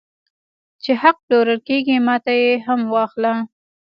چې حق پلورل کېږي ماته یې هم واخله